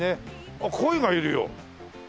あっコイがいるよ！